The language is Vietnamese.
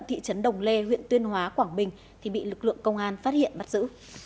thị trấn đồng lê huyện tuyên hóa quảng bình thì bị lực lượng công an phát hiện bắt giữ